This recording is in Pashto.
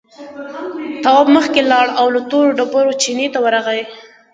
تواب مخکې لاړ او له تورو ډبرو چينې ته ورغی.